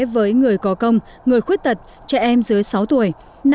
với người có công người khuyết tật trẻ em dưới sáu tuổi